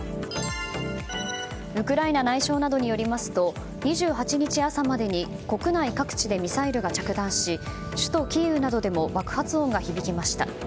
ウクライナ内相などによりますと２８日朝までに国内各地でミサイルが着弾し首都キーウなどでも爆発音が響きました。